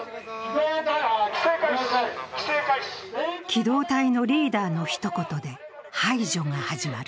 機動隊のリーダーのひと言で排除が始まる。